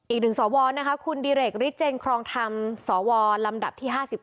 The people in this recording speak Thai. อีกหนึ่งสอวรคุณดิเรกฤทธิ์เจนครองธรรมสอวรรำดับที่๕๙